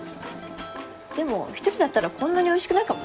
でも１人だったらこんなにおいしくないかもね。